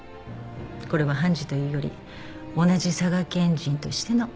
これは判事というより同じ佐賀県人としてのアドバイス。